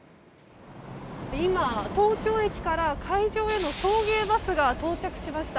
今、東京駅から会場への送迎バスが到着しました。